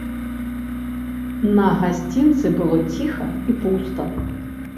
На гасцінцы было ціха і пуста.